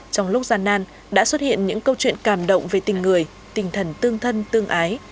trong lúc gian nan đã xuất hiện những câu chuyện cảm động về tình người tinh thần tương thân tương ái